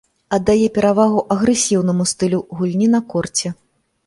Аддае перавагу агрэсіўнаму стылю гульні на корце.